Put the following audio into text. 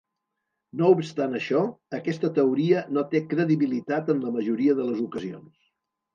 No obstant això, aquesta teoria no té credibilitat en la majoria de les ocasions.